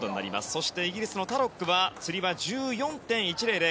そしてイギリスのタロックはつり輪、１４．１００。